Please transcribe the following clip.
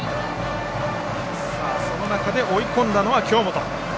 その中で追い込んだのは京本。